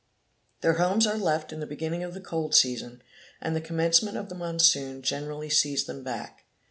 Their homes are left in the beginning of the cold season, and the commencement of the monsoon generally sees them back.